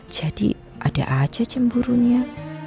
jadi ada aja cemburunya